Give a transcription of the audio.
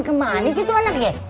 kemana sih tu anaknya